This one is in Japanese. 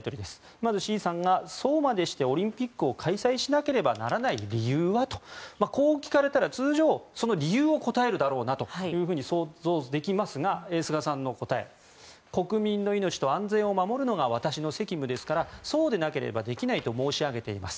まず、志位さんがそうまでしてオリンピックを開催しなければならない理由は？とこう聞かれたら、通常その理由を答えるだろうなと想像できますが菅さんの答え。国民の命と安全を守るのが私の責務ですからそうでなければできないと申し上げています。